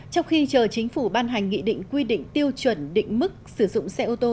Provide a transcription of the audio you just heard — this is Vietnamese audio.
trong khi chờ chính phủ ban hành nghị định quy định tiêu chuẩn định mức sử dụng xe ô tô